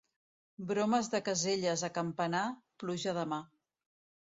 Bromes de Caselles a Campanar, pluja demà.